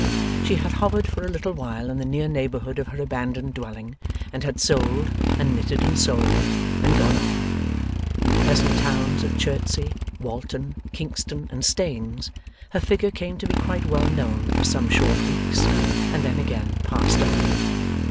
She had hovered for a little while in the near neighbourhood of her abandoned dwelling, and had sold, and knitted and sold, and gone on. In the pleasant towns of Chertsey, Walton, Kingston, and Staines, her figure came to be quite well known for some short weeks, and then again passed on.